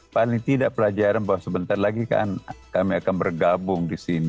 paling tidak pelajaran bahwa sebentar lagi kan kami akan bergabung di sini